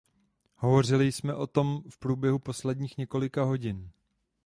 Hovořili jsme o tom v průběhu posledních několika hodin.